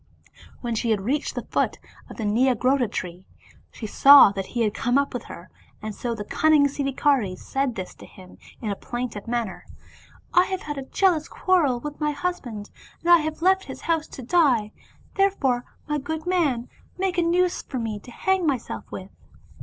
When she had reached the foot of a Nyagrodha tree, she saw that he had come up with her, and so the cunning Siddhikari said this to him in a plaintive manner, " I have had a jealous quarrel with my husband, and I have left his house to die, therefore my good man, make a noose for me to hang myself with."